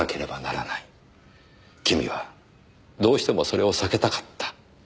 君はどうしてもそれを避けたかった。